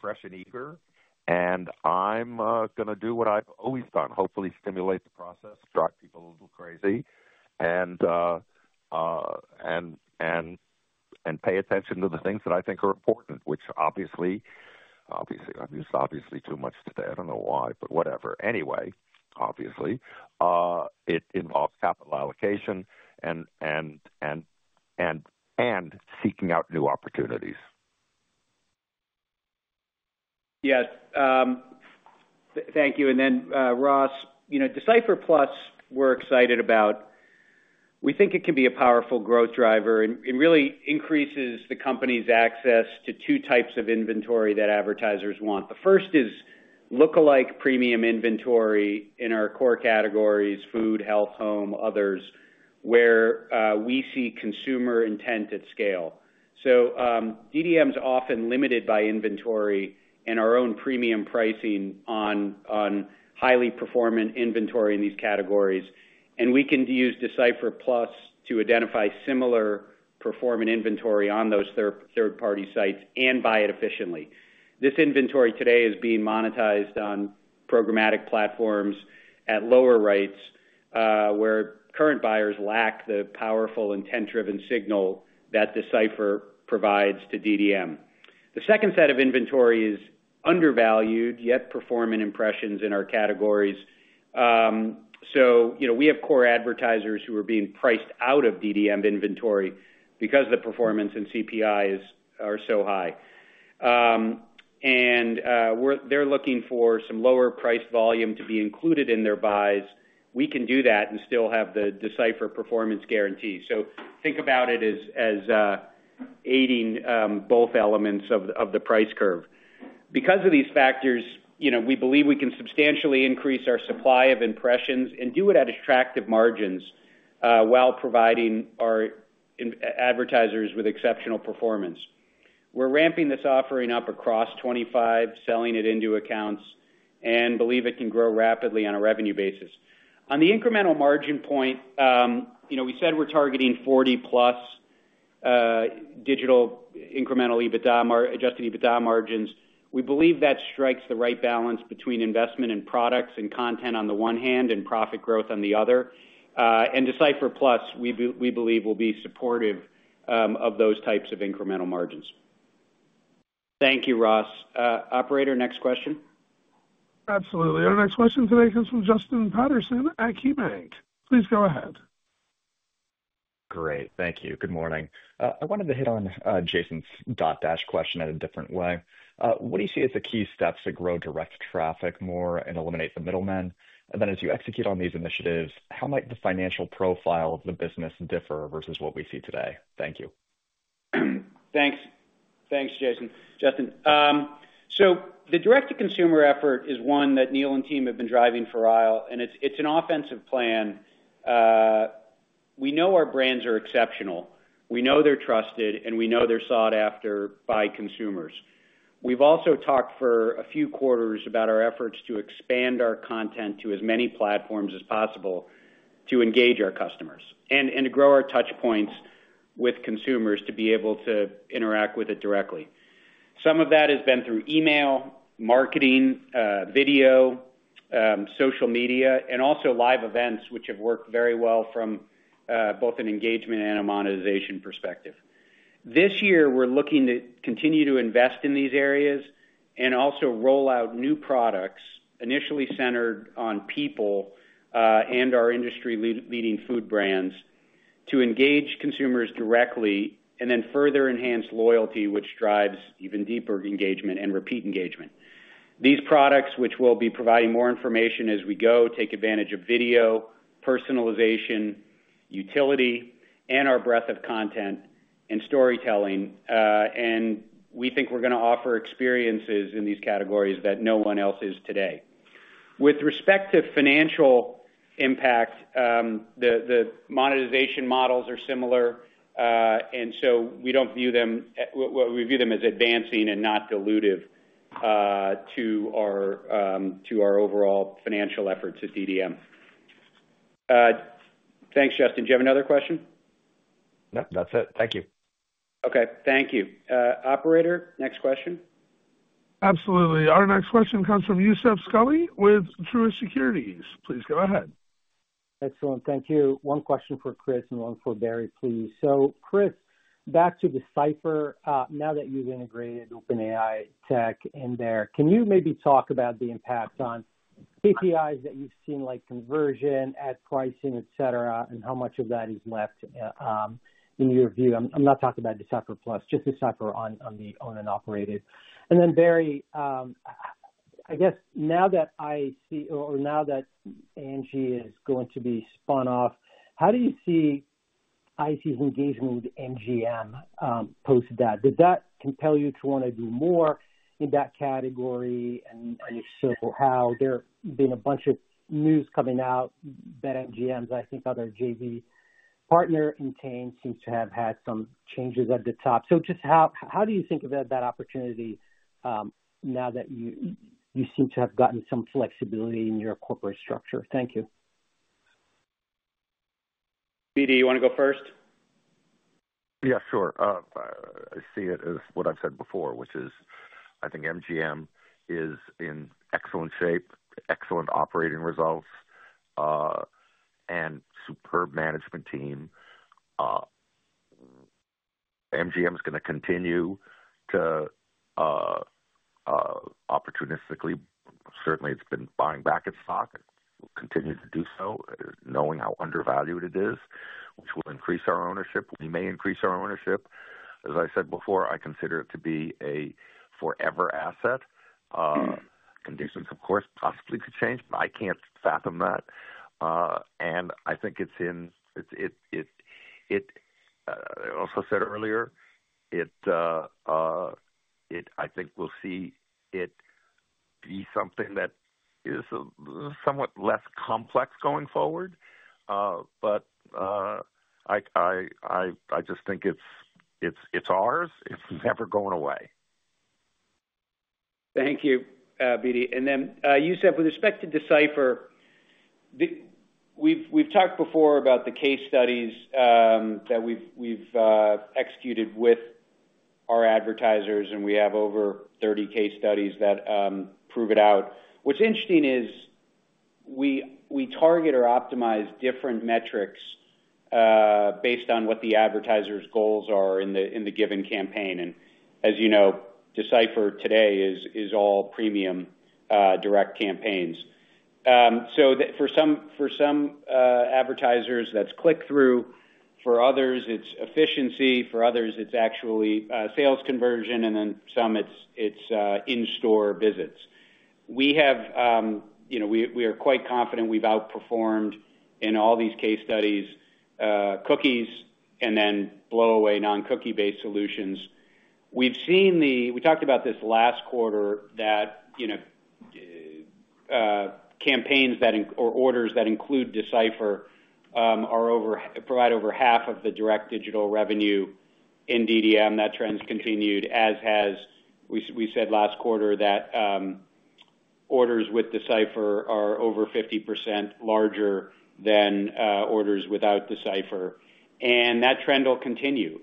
fresh and eager, and I'm going to do what I've always done, hopefully stimulate the process, drive people a little crazy, and pay attention to the things that I think are important, which obviously, obviously, I'm just obviously too much today. I don't know why, but whatever. Anyway, obviously, it involves capital allocation and seeking out new opportunities. Yes. Thank you. And then Ross, D/Cipher Plus, we're excited about. We think it can be a powerful growth driver and really increases the company's access to two types of inventory that advertisers want. The first is lookalike premium inventory in our core categories: food, health, home, others, where we see consumer intent at scale. So DDM is often limited by inventory and our own premium pricing on highly performant inventory in these categories. And we can use D/Cipher Plus to identify similar performant inventory on those third-party sites and buy it efficiently. This inventory today is being monetized on programmatic platforms at lower rates where current buyers lack the powerful intent-driven signal that D/Cipher provides to DDM. The second set of inventory is undervalued, yet performant impressions in our categories. So we have core advertisers who are being priced out of DDM inventory because the performance and CPI are so high. And they're looking for some lower price volume to be included in their buys. We can do that and still have the D/Cipher performance guarantee. So think about it as aiding both elements of the price curve. Because of these factors, we believe we can substantially increase our supply of impressions and do it at attractive margins while providing our advertisers with exceptional performance. We're ramping this offering up across 2025, selling it into accounts, and believe it can grow rapidly on a revenue basis. On the incremental margin point, we said we're targeting 40-plus digital incremental adjusted EBITDA margins. We believe that strikes the right balance between investment in products and content on the one hand and profit growth on the other. And D/Cipher Plus, we believe, will be supportive of those types of incremental margins. Thank you, Ross. Operator, next question. Absolutely. Our next question today comes from Justin Patterson at KeyBanc. Please go ahead. Great. Thank you. Good morning. I wanted to hit on Jason's question in a different way. What do you see as the key steps to grow direct traffic more and eliminate the middlemen? And then as you execute on these initiatives, how might the financial profile of the business differ versus what we see today? Thank you. Thanks. Thanks, Jason. Justin, so the direct-to-consumer effort is one that Neil and team have been driving for a while, and it's an offensive plan. We know our brands are exceptional. We know they're trusted, and we know they're sought after by consumers. We've also talked for a few quarters about our efforts to expand our content to as many platforms as possible to engage our customers and to grow our touchpoints with consumers to be able to interact with it directly. Some of that has been through email, marketing, video, social media, and also live events, which have worked very well from both an engagement and a monetization perspective. This year, we're looking to continue to invest in these areas and also roll out new products initially centered on People and our industry-leading food brands to engage consumers directly and then further enhance loyalty, which drives even deeper engagement and repeat engagement. These products, which we'll be providing more information as we go, take advantage of video, personalization, utility, and our breadth of content and storytelling. And we think we're going to offer experiences in these categories that no one else is today. With respect to financial impact, the monetization models are similar. And so we don't view them, we view them as advancing and not dilutive to our overall financial efforts at DDM. Thanks, Justin. Do you have another question? Nope. That's it. Thank you. Okay. Thank you. Operator, next question. Absolutely. Our next question comes from Youssef Squali with Truist Securities. Please go ahead. Excellent. Thank you. One question for Chris and one for Barry, please. So Chris, back to D/Cipher. Now that you've integrated OpenAI tech in there, can you maybe talk about the impact on KPIs that you've seen, like conversion, ad pricing, etc., and how much of that is left in your view? I'm not talking about D/Cipher Plus, just D/Cipher on the owned and operated. And then Barry, I guess now that IAC or now that Angi is going to be spun off, how do you see IAC's engagement with MGM post that? Does that compel you to want to do more in that category? And if so, how? There have been a bunch of news coming out that MGM's, I think other JV partner Entain seems to have had some changes at the top. So just how do you think about that opportunity now that you seem to have gotten some flexibility in your corporate structure? Thank you. Barry, you want to go first? Yeah, sure. I see it as what I've said before, which is I think MGM is in excellent shape, excellent operating results, and superb management team. MGM is going to continue to opportunistically, certainly, it's been buying back its stock and will continue to do so, knowing how undervalued it is, which will increase our ownership. We may increase our ownership. As I said before, I consider it to be a forever asset. Conditions, of course, possibly could change, but I can't fathom that. And I think it's in, I also said earlier, I think we'll see it be something that is somewhat less complex going forward. But I just think it's ours. It's never going away. Thank you, Barry. And then Youssef, with respect to D/Cipher, we've talked before about the case studies that we've executed with our advertisers, and we have over 30 case studies that prove it out. What's interesting is we target or optimize different metrics based on what the advertiser's goals are in the given campaign. And as you know, D/Cipher today is all premium direct campaigns. So for some advertisers, that's click-through. For others, it's efficiency. For others, it's actually sales conversion. And then for some, it's in-store visits. We are quite confident we've outperformed in all these case studies, cookies, and then blow-away non-cookie-based solutions. We talked about this last quarter that campaigns or orders that include D/Cipher provide over half of the direct digital revenue in DDM. That trend's continued, as we said last quarter that orders with D/Cipher are over 50% larger than orders without D/Cipher. That trend will continue.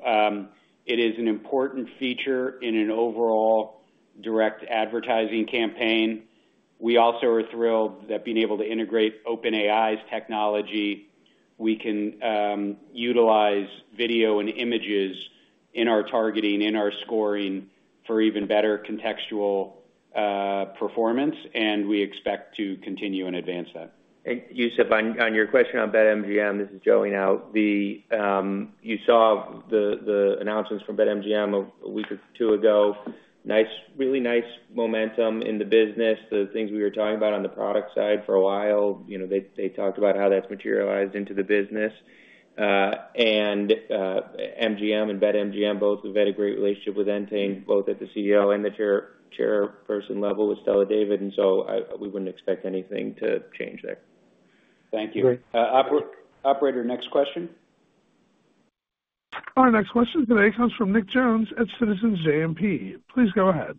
It is an important feature in an overall direct advertising campaign. We also are thrilled that being able to integrate OpenAI's technology, we can utilize video and images in our targeting, in our scoring for even better contextual performance. We expect to continue and advance that. Youssef, on your question on BetMGM, this is Joey now. You saw the announcements from BetMGM a week or two ago. Really nice momentum in the business. The things we were talking about on the product side for a while, they talked about how that's materialized into the business. MGM and BetMGM both have had a great relationship with Entain, both at the CEO and the chairperson level with Stella David. So we wouldn't expect anything to change there. Thank you. Operator, next question. Our next question today comes from Nick Jones at Citizens JMP. Please go ahead.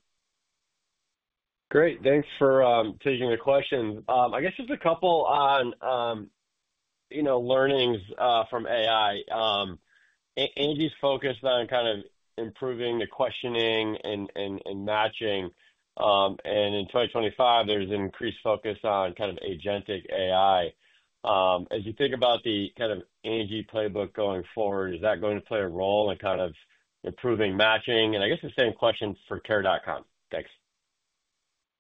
Great. Thanks for taking the question. I guess just a couple on learnings from AI. Angi’s focused on kind of improving the questioning and matching. And in 2025, there’s increased focus on kind of agentic AI. As you think about the kind of Angi playbook going forward, is that going to play a role in kind of improving matching? And I guess the same question for Care.com. Thanks.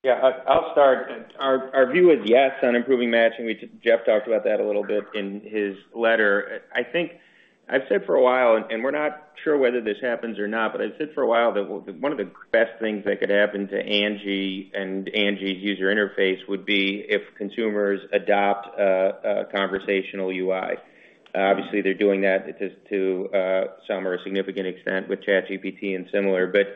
Yeah. I’ll start. Our view is yes on improving matching. Jeff talked about that a little bit in his letter. I’ve said for a while, and we’re not sure whether this happens or not, but I’ve said for a while that one of the best things that could happen to Angi and Angi’s user interface would be if consumers adopt a conversational UI. Obviously, they’re doing that to some or a significant extent with ChatGPT and similar. But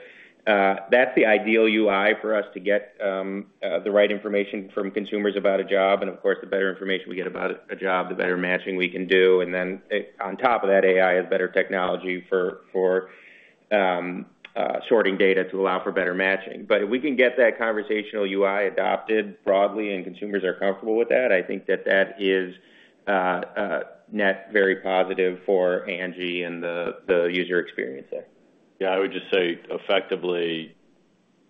that's the ideal UI for us to get the right information from consumers about a job. And of course, the better information we get about a job, the better matching we can do. And then on top of that, AI is better technology for sorting data to allow for better matching. But if we can get that conversational UI adopted broadly and consumers are comfortable with that, I think that that is net very positive for Angi and the user experience there. Yeah. I would just say effectively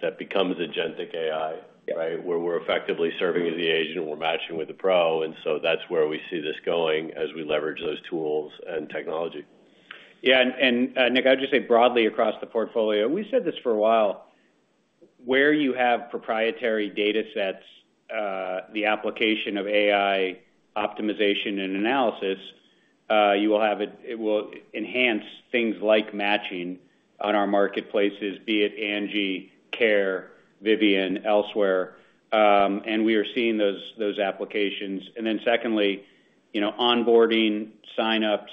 that becomes agentic AI, right, where we're effectively serving as the agent. We're matching with the pro. And so that's where we see this going as we leverage those tools and technology. Yeah. And, Nick, I would just say broadly across the portfolio, we said this for a while, where you have proprietary data sets, the application of AI optimization and analysis, you will have it will enhance things like matching on our marketplaces, be it Angie, Care, Vivian, elsewhere. And we are seeing those applications. And then secondly, onboarding, sign-ups,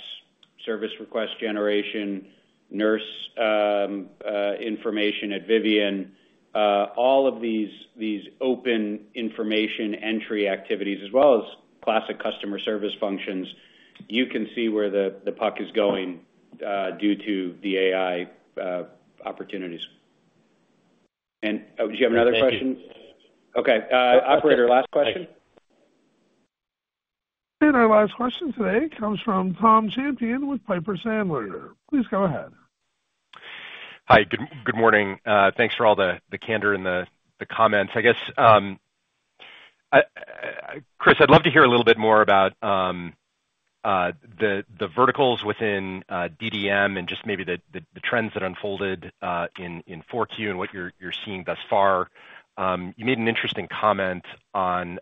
service request generation, nurse information at Vivian, all of these open information entry activities, as well as classic customer service functions, you can see where the puck is going due to the AI opportunities. And do you have another question? Okay. Operator, last question. And our last question today comes from Tom Champion with Piper Sandler. Please go ahead. Hi. Good morning. Thanks for all the candor and the comments. I guess, Chris, I'd love to hear a little bit more about the verticals within DDM and just maybe the trends that unfolded in 4Q and what you're seeing thus far. You made an interesting comment on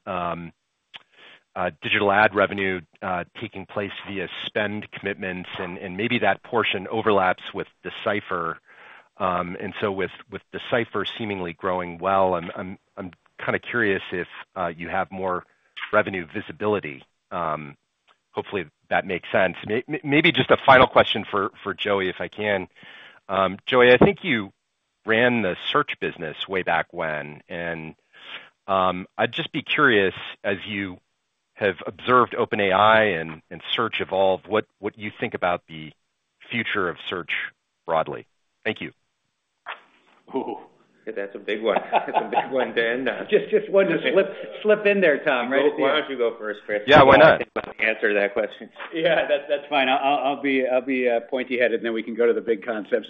digital ad revenue taking place via spend commitments. And maybe that portion overlaps with D/Cipher. And so with D/Cipher seemingly growing well, I'm kind of curious if you have more revenue visibility. Hopefully, that makes sense. Maybe just a final question for Joey if I can. Joey, I think you ran the search business way back when. And I'd just be curious, as you have observed OpenAI and Search evolve, what you think about the future of search broadly. Thank you. That's a big one. That's a big one to end on. Just wanted to slip in there, Tom. Why don't you go first, Chris? Yeah, why not? Answer that question. Yeah. That's fine. I'll be pointy-headed, and then we can go to the big concepts,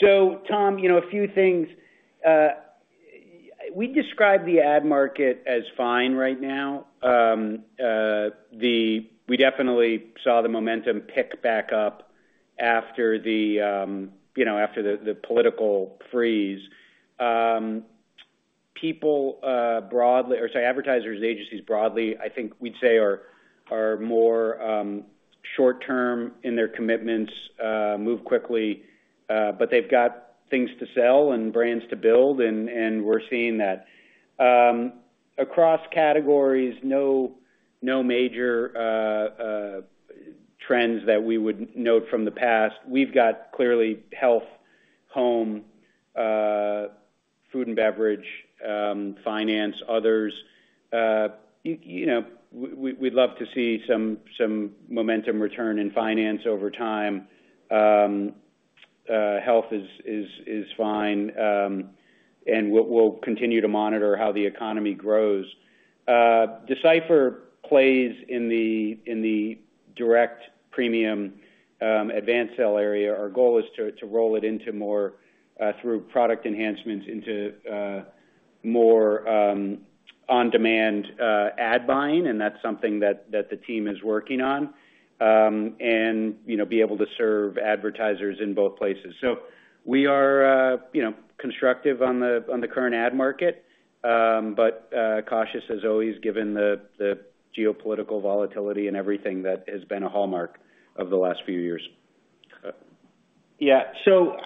so Tom, a few things. We describe the ad market as fine right now. We definitely saw the momentum pick back up after the political freeze. People broadly or sorry, advertisers and agencies broadly, I think we'd say are more short-term in their commitments, move quickly, but they've got things to sell and brands to build, and we're seeing that. Across categories, no major trends that we would note from the past. We've got clearly health, home, food and beverage, finance, others. We'd love to see some momentum return in finance over time. Health is fine, and we'll continue to monitor how the economy grows. D/Cipher plays in the direct premium advance sale area. Our goal is to roll it into more through product enhancements into more on-demand ad buying. And that's something that the team is working on and be able to serve advertisers in both places. So we are constructive on the current ad market, but cautious as always given the geopolitical volatility and everything that has been a hallmark of the last few years. Yeah. So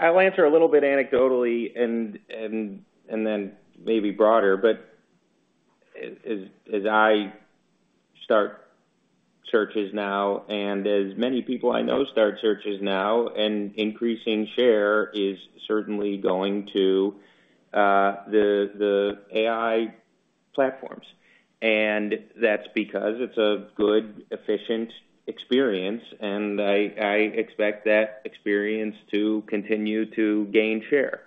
I'll answer a little bit anecdotally and then maybe broader. But as I start searches now and as many people I know start searches now, an increasing share is certainly going to the AI platforms. And that's because it's a good, efficient experience. And I expect that experience to continue to gain share.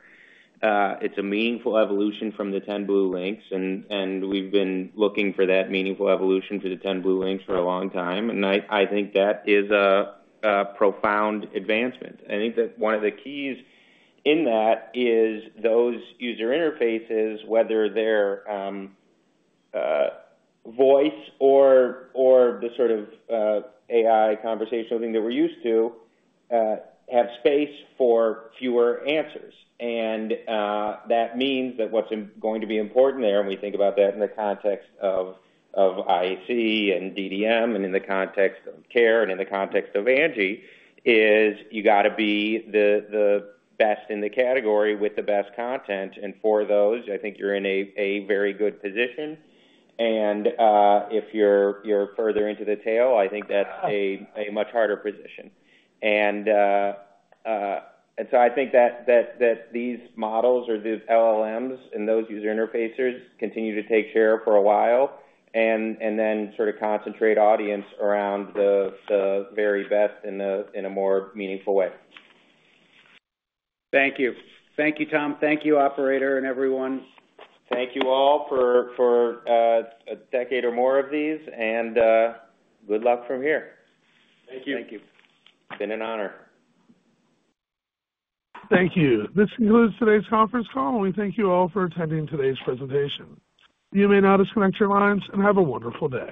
It's a meaningful evolution from the 10 blue links. And we've been looking for that meaningful evolution for the 10 blue links for a long time. And I think that is a profound advancement. I think that one of the keys in that is those user interfaces, whether they're voice or the sort of AI conversational thing that we're used to, have space for fewer answers. And that means that what's going to be important there, and we think about that in the context of IAC and DDM and in the context of Care and in the context of Angi, is you got to be the best in the category with the best content. And for those, I think you're in a very good position. And if you're further into the tail, I think that's a much harder position. And so I think that these models or the LLMs and those user interfaces continue to take share for a while and then sort of concentrate audience around the very best in a more meaningful way. Thank you. Thank you, Tom. Thank you, Operator, and everyone. Thank you all for a decade or more of these, and good luck from here. Thank you. Thank you. It's been an honor. Thank you. This concludes today's conference call. We thank you all for attending today's presentation. You may now disconnect your lines and have a wonderful day.